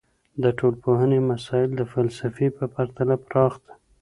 د ټولنپوهني مسایل د فلسفې په پرتله پراخ دي.